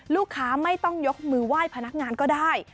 ลูกค้าไม่ต้องยกมือว่ายพนักงานก็ได้